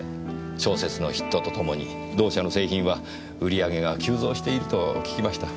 小説のヒットとともに同社の製品は売り上げが急増していると聞きました。